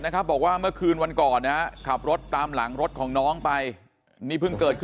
บอกว่าเมื่อคืนวันก่อนนะฮะขับรถตามหลังรถของน้องไปนี่เพิ่งเกิดขึ้น